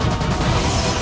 aku akan menang